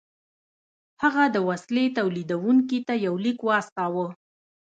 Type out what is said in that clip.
هغه د وسيلې توليدوونکي ته يو ليک واستاوه.